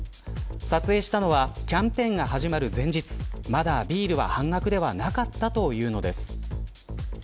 撮影したのはキャンペーンが始まる前日まだビールは半額ではなかったというのです。